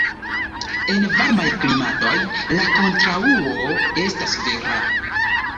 En varmaj klimatoj, la kontraŭo estas vera.